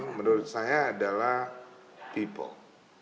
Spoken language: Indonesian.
number one menurut saya adalah people